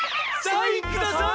サインください！